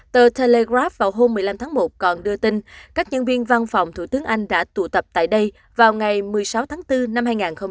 tờ telegrap vào hôm một mươi năm tháng một còn đưa tin các nhân viên văn phòng thủ tướng anh đã tụ tập tại đây vào ngày một mươi sáu tháng bốn năm hai nghìn hai mươi